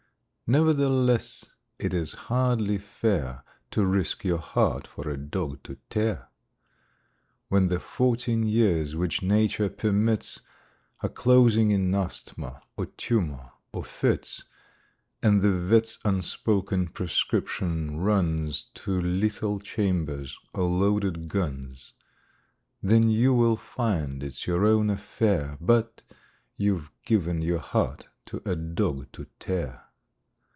Nevertheless it is hardly fair To risk your heart for a dog to tear. When the fourteen years which Nature permits Are closing in asthma, or tumour, or fits, And the vet's unspoken prescription runs To lethal chambers or loaded guns, Then you will find it's your own affair But... you've given your heart to a dog to tear.